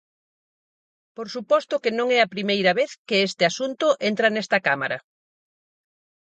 Por suposto que non é a primeira vez que este asunto entra nesta Cámara.